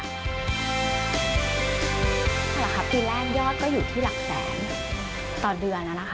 ปีแรกยอดก็อยู่ที่หลักแสนต่อเดือน